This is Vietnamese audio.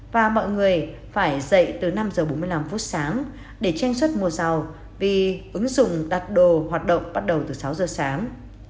và mọi người phải dậy từ năm giờ bốn mươi năm phút sáng để tranh xuất mùa giàu vì ứng dụng đặt đồ hoạt động bắt đầu từ sáu giờ sáng